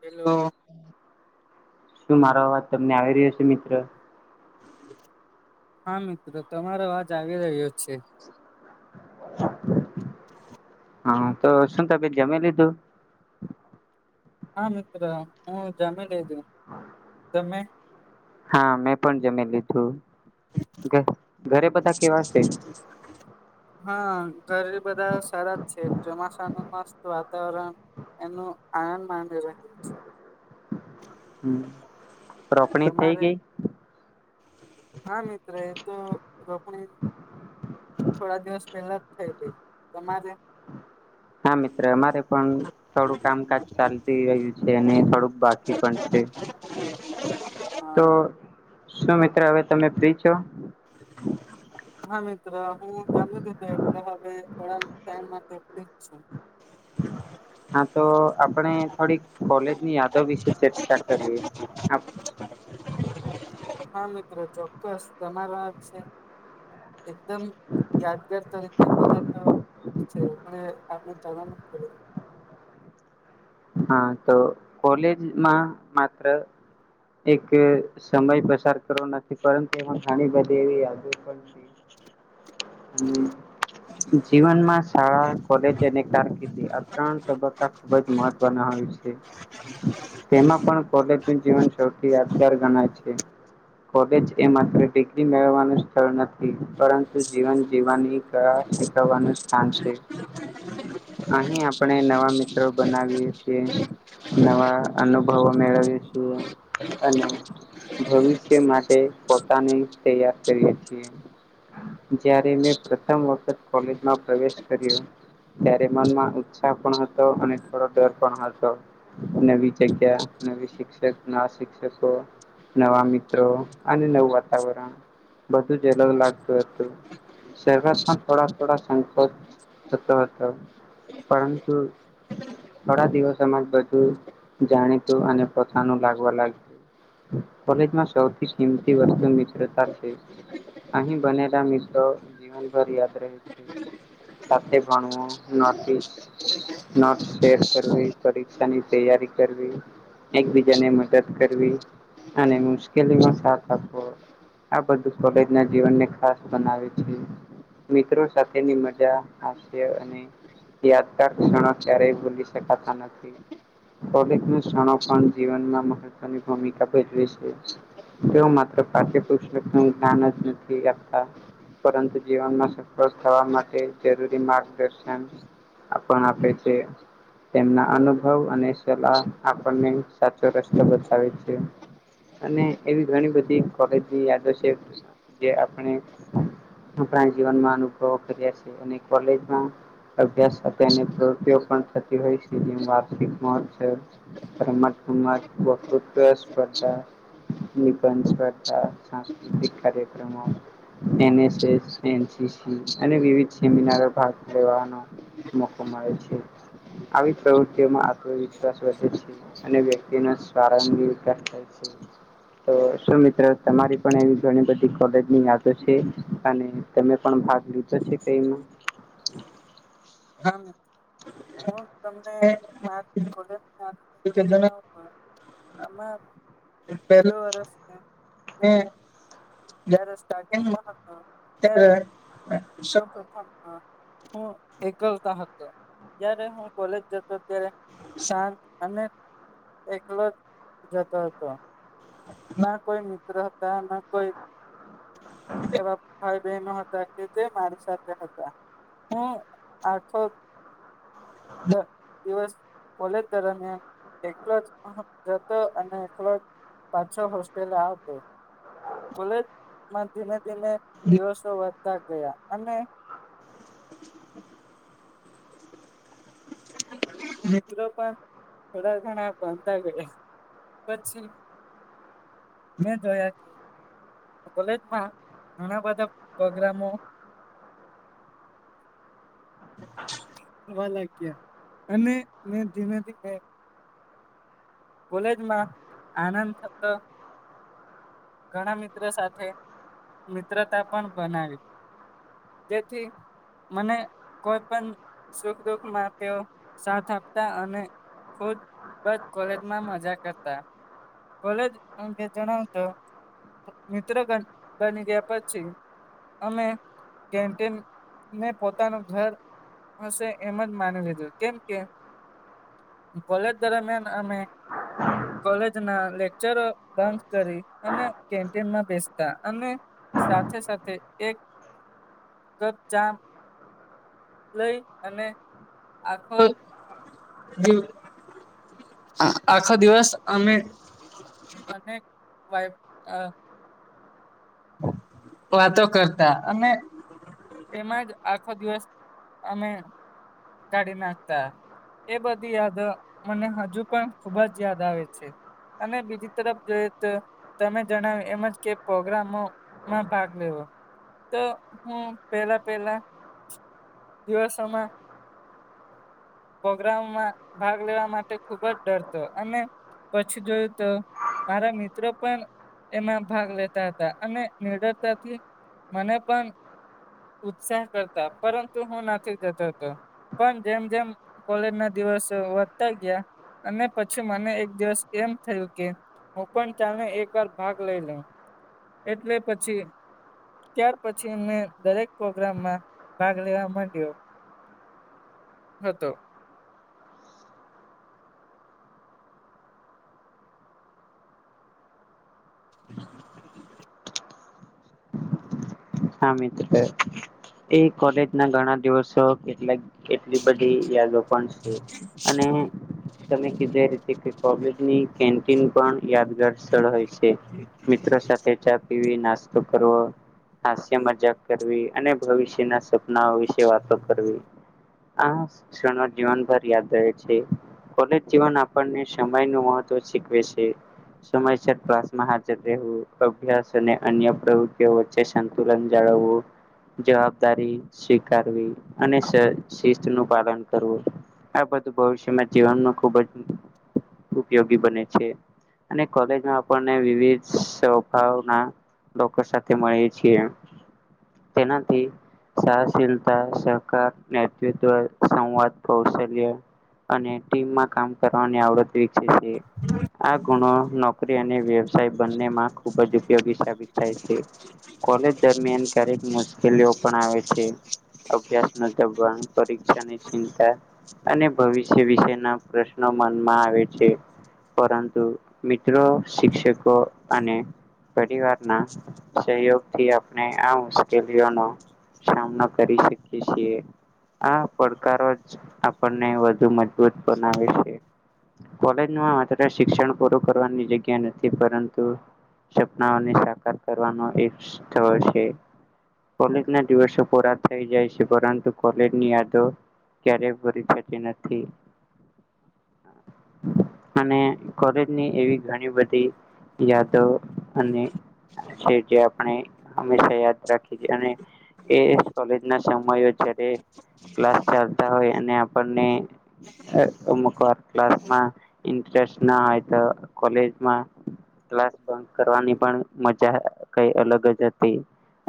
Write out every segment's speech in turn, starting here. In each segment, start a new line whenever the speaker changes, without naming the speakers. Hello,
શું મારો અવાજ તમને આવી રહ્યો છે મિત્ર,
હા મિત્રો તમારો આવાજ આવી રહ્યો છે.
હ,
[inaudible]
હા તો શું તમેે જમી લીધું.
હા મિત્ર હું એ જમી લીધું તમે,
હા મેં પણ જમી લીધું, [unintelligible] કેવા
[inaudible]
[inaudible]
હા ઘરે બધા સારા જ છે ચોમાસા નું મસ્ત વાતાવરણ, એનું આનંદ માડી [unintelligible] છે. હ,
હમ, રોપણી થઈ ગઈ.
હા મિત્ર એ તો રોપણી, થોડા દિવસ પહેલા જ થઈ ગઈ તમારે,
હા, મિત્ર અમારે પણ થોડું કામકાજ ચાલતી રહ્યું છે અને થોડુંક બાકી પણ છે. તો
હા
શું મિત્ર હવે તમે ફ્રી છો?
હા મિત્ર હું ગમી તધું એટલે થોડા ટાઈમ માટે ફ્રી જ છુ. [inaudible]
હા તો આપણે થોડીક કોલેજની યાદો વિશે ચર્ચા કરીએ, આ
હા મિત્ર ચોક્કસ તમારા છે, એકદમ યાદગાર તરીકે પરે તો, છે પણ એ આપણે [unintelligible] જ,
હા તો કોલેજમાં માત્ર, એક સમય પસાર કરો નથી પરંતુ ઘણી બધી એવી યાદ પણ, જીવનમાં શાળા કોલેજ અને કારકિર્ આ ત્રણ તબક્કા ખુબ જ મહત્વના હોય છે. તેમાં પણ કોલેજનું જીવન સૌથી યાદગાર ગણાય છે. કોલેજ એ માત્ર ડિગ્રી મેળવવાનું સ્થળ નથી પરંતુ જીવન જીવવાની, કળા શીખવાનું સ્થાન છે. અહી આપણે નવા મિત્રો બનાવીએ છીએ. નવા અનુભવો મેળવી છી અને, ભવિષ્ય માટે પોતાને તૈયાર કરીએ છીએ. જ્યારે મેં પ્રથમ વખત કોલેજમાં પ્રવેશ કર્યો, ત્યારે મનમાં ઉત્સાહ પણ હતો અને થોડોક, પણ હતો નવી જગ્યા નવી શિક્ષક ના શિક્ષકો નવા મિત્રો અને નવું વાતાવરણ બધું જ અલગ લાગતું હતુ. શઆત પણ થોડા થોડા સંકોચ થતો હતો પરતુ. થોડા દિવસમાં જ બધું જાણીતું અને પોતાનું લાગવા લાગ કોલેજમાં સૌથી કિંમતી વસ્તુ મિત્રતા છે. અહીં બનેલા મિત્રો જીવનભર યાદ રહે છે. સાથે ભણવું નોટસ નટ કરવી પરીક્ષા ની તૈયારી કરવી એકબીજાને મદદ કરવી અને મુશ્કેલીમાં સાથ આપવો આ બધું કોલેજ ના જીવનને ખાસ બનાવે છે. મિત્રો સાથેની મજા હ્ય અને યાદગાર ક્ષણો ક્યારે બૂલી કતાા નથી. કોલે નષણો પણ જીવનમાં મહત્વની ભૂમિકા ભજવે છે. તે માત્ર પાઠ્યપુસ્તક જ્ઞાન જ નથી આપતા પરંતુ જીવનમાં સફળ થવા માટે જરૂરી માર્ગદર્શન આપણ આપે છે. તેમના અનુભવ અને સલાહ આપણને સાચો રસ્તો બતાવે છે. અને એવી ઘણી બધી કોલેજ જે આપણે આપણા જીવનમાં અનુભવો કર્યા છે અને કોલેજમા અભ્યાસ સાથે અનેક પ્રૃતિઓ પણ થતી હોય છે, જેમ વાર્ષિક મહોત્સવ પરમતમત વકૃત્વ સ્પર્ધા નિબંધ સ્પર્ધા સાંસ્કૃતિક કાર્યક્રમો એનએસસ એનસીસી અને વિવિધ સેમિનાર ભાગ લેવાનો મોકો મળે છે આવી પ્રવૃતિઓમાં આત્મવિશ્વાસ વધે છે. અને વ્યક્તિ ન સ્વારંગી વિકાસ થાય છે. તો શું મિત્ર તમારી પણ એવી ઘણી બધી કોલેજની યાદો છે, અને તમે પણ ભાગ લીધો પછી કઈમા
હા મ હું તમને જણાવ. અમારો પેલોું વરષ છે, મે જ રસ્તા કેમ બન હતા. ત્યારે સૌપથમ હું એક કવતા હતો જ્યારે હું કોલેજ જતો ત્યારે શાંત અને એકલો જ જતો હતો. ના કોઈ મિત્ર હતા ના કોઈ એવા ભાઈ બનો હતા કે જે મારી સાથે હતા, હુ આખો દિવસ કોલેજ દરમિયા એલો જ અને એલો. પાછ છ, હોસ્ટેલ આવ હતો. કોલેજમાં ધીમે ધીમે દિવસો વધતા ગયા. અને મિત્રો પણ થોડા ઘણા બનતા ગયા. પછી મેં જોયા કે કોલેજમાં ઘણા બધા પ્રોગ્રામો થવા લાગયા અને મે ધીમે ધીમે કોલેજમાં આનંદ થતો. ઘણા મિત્રો સાથે મિત્રતા પણ બનાવી તેથી. મને કોઈ પણ સુખ દુખમાં તેઓ સાથ આપતા અને ખુદ બત કોલેજમાં મજા કરતા. કોલેજ અંગે જણાવતો મિત્ર બની ગીયા પછી અમે કેન્ટીન ને પોતાનું ઘર હશે એમ જ માની લીધું કેમ કે કોલેજ દરમિયાન અમે કોલેજ ના લેકચરો બંધ કરી અને કેન્ટીનમાં બેસતા અને સાથે સાથે એક કપ ચા લઈ અને આખો જીવ આખો દિવસ અમે અને વાઈબ અ વાતો કરતા અને એમાં જ આખો દિવસ અમે કાઢી નાખતા. એ બધી યાદો મને હજુ પણ ખુબ જ યાદ આવે છે. અને બીજી તરફ જોઈએ તો તમે જણાવ્યું એમ જ કે પગ પ્રોગ્રામો માં ભાગ લેવો તો હું પેલા પેલા દિવસો માં પ્રોગ્રામો માં ભાગ લેવા માટે ખુબ જ ડરતો અને પછી જોયું તો મારા મિત્રો પણ એમાં ભાગ લેતા. હતા અને નિડરતાથી મને પણ ઉત્સાહ કરતા પરંતુ હું નાસી જતો હતો. પણ જેમ જેમ કોલેજ ના દિવસો વધતા ગયા અને પછી મને એક દિવસ એમ થયું કે હું પણ તને એક વાર ભાગ લઈ લઉ. એટલે પછી ત્યાર પછી મેં દરેક પ્રોગ્રામમાં ભાગ લેવા માંડ્યો. હતો. [inaudible]
હા મિત્ર એ કોલેજ ના ઘણા દિવસો કેટલાક કેટલી બધી યાદો પણ છે અને તમે કીધા એ રીતે કે કોલેજની કેન્ટીન પણ યાદગાર સ્થળ હોય છે. મિત્રો સાથે ચા પીવી, નાસ્તો કરવો. હાસ્ય મજાક કરવી અને ભવિષ્યના સપનાઓ વિશે વાતો કરવી. આ શણો જીવનભર યાદ રહે છે. કોલેજ જીવન આપણને સમય નું મહત્વ શીખવે છે. સમયસ કલાસમાં હાજર રહેવું અભ્યાસ અને અન્ય પ્રવૃતિઓ વચ્ચે સંતુલન જાળવવું. જવાબદારી સ્વીકારવી અને શિસ્ત નું પાલન કરવું. આ બધું ભવિષ્યમાં જીવનમાં ખૂબ જ ઉપયોગી બને છે. અને કોલેજમાં આપણને વિવિધ સ્વભાવના લોકો સાથે મળી છીએ તેનાથી સહશીલતા, સહકાર, નેતૃત્વ, સંવાદ, કૌશલ્ય. અને ટીમમાં કામ કરવાની આવડત વિકસે છે. આ ગુણો નોકરી અને વ્યવસાય બંનેમાં ખુબ જ ઉપયોગી સાબિત થાય છે. કોલેજ દરમિયાન ક્યારેક મુશ્કેલીઓ પણ આવે છે. અભ્યાસ નો દબાણ, પરીક્ષા ની ચિંતા. અને ભવિષ્ય વિસે ના પ્રશ્નો મનમાં આવે છે. પરંતુ મિત્રો શિક્ષકો અને. પરિવાર ના સહયોગ. આપણે આ મુશ્કેલીઓનો સામનો કરી શકીએ છીએ. આ પડકારો જ આપણને વધુ મજબૂત બનાવે છે. કોલેજમાં માત્ર શિક્ષણ પૂરું કરવાની જગ્યા નથી. પરંતુ. સપનાઓને સાકાર કરવાનું એક સ્થળ છે. કોલેજ ના દિવસો પૂરા થઈ જાય છે. પરંતુ કોલેજ ની આદો. ક્યારેય પૂરી થતી નથી. અને કોલેજની એવી ઘણી બધી. યાદો અને શે જે હમેશા યાદ રાખી છે. અને એ કોલેજ નો સમય ચાલે ક્લાસ ચાલતા હોય, અને આપણને. અ ક્લાસમાં ઇન્ટરેસ્ટ ના હોય તો કોલેજમાં. ક્લાસ બંક કરવાની પણ મજા. કઈ અલગ જ હતી.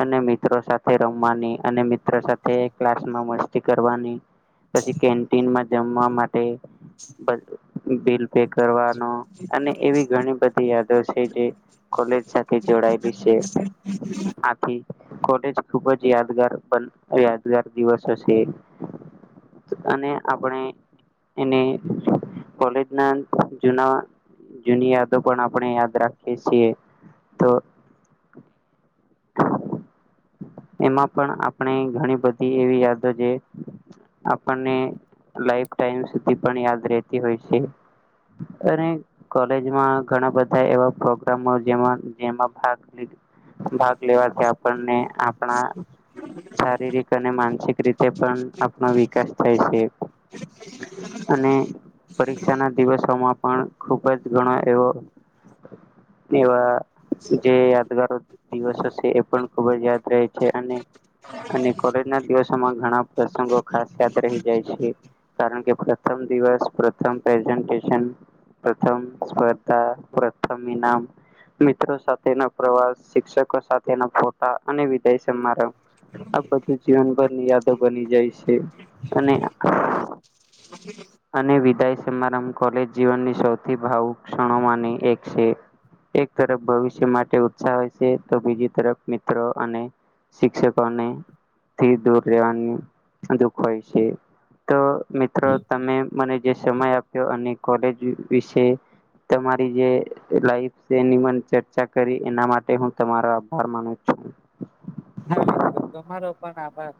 અને મિત્રો સાથે રમવાની અને. સાથે ક્લાસમાં મસ્તી કરવાની. પછી કેન્ટીનમાં જમવા માટે. બિલ પે કરવાનો. અને એવી ઘણી બધી. યાદો છે જે કોલેજ સાથે જોડાય.
[inaudible]
આથી કોલેજ ખૂબ જ યાદગાર પલ યાદગાર દિવસ હશે. અને આપણે. એને કોલેજ ના જુના. જુની યાદો પણ આપણે યાદ રાખીએ છીએ તો. [inaudible] એમાં પણ આપણે ઘણી બધી એવી યાદો જે. આપણે લાઇફ ટાઈમ સૂધી પણ યાદ રહતી હોય છે. અને કોલેજમાં ઘણા બધા એવા પ્રોગ્રામો જેમા જેમાં ભાગ ભાગ લેવાથી આપણને આપણા. શારીરિક અને માનસિક રીતે પણ આપણો વિકાસ થાય છે. અને પરીક્ષા ના દિવસોમાં પણ ખુબ જ ગણો એવો. એવા જે. દિવસ હશે. એ પણ ખબ જ યાદ રહે છે. અને અને કોલેજ ના દિવસોમાં ઘણા પ્રસંગો ખાસ યાદ રહી જાય છે. કારણ કે પ્રથમ દિવસ, પ્રથમ પ્રેસેન્ટએશન. પ્રથમ સ્પર્ધા, પ્રથમ ઇનામ. મિત્રો સાથે પ્રવાસ. શિક્ષકો સાથેના ફોટા, અને વિદાય સમારંભ. આ બધું. જીવનભરની યાદો બની જાય છે. અને
[inaudible]
અને વિદાય સમારંભ, કોલેજ જીવનની સૌથી ભાવુ ક્ષણોમાંની એક છે. એક તરફ ભવિષ્ય માટે ઉત્સાહ હોય છે તો બીજી તરફ મિત્રો અને શિક્ષકોને થી દૂર રહેેવાની દુઃખ હોય છે તો મિત્રો તમે મને જે સમય આપ્યો અને કોલેજ વિશે તમારી જે લાઈફ વિશે છે એ ચર્ચા કરી એના માટે હું તમારો આભાર માનું છું
ફા મિત્રો તમારો પણ આભાર.